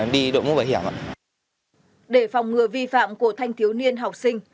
để phòng ngừa vi phạm của thanh thiếu niên học sinh